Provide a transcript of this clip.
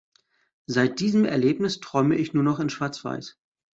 Seit diesem Erlebnis träume ich nur noch in Schwarzweiß.